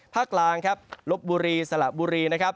ภาคกลางครับลบบุรีสละบุรี